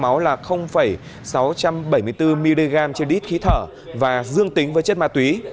tài xế giao máu là sáu trăm bảy mươi bốn mg trên đít khí thở và dương tính với chất ma túy